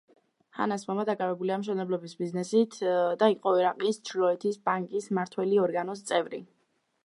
ჰანას მამა დაკავებულია მშენებლობის ბიზნესით და იყო ერაყის ჩრდილოეთის ბანკის მმართველი ორგანოს წევრი.